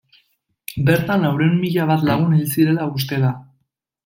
Bertan laurehun mila bat lagun hil zirela uste da.